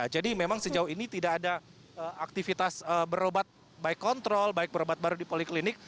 jadi memang sejauh ini tidak ada aktivitas berobat baik kontrol baik berobat baru di poliklinik